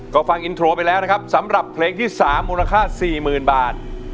ก็ฟังอินโทรไปแล้วนะครับสำหรับเพลงที่๓มูลค่า๔๐๐๐บาท